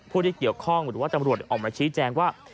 ผู้ที่เกี่ยวข้องหรือว่าตำรวจออกมาชี้แจงว่า